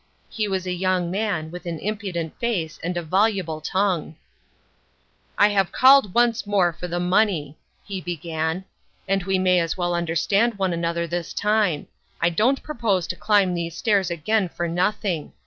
He was a young man, with an impudent face, and a voluble tongue. " I have called once more for the money," he began, " and we may as well understand one another this time ; I don't propose to climb these stairs again for nothing.